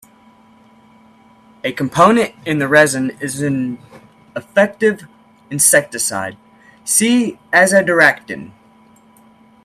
A component in the resin is an effective insecticide; see azadirachtin.